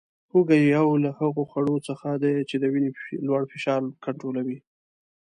هوګه یو له هغو خوړو څخه دی چې د وینې لوړ فشار کنټرولوي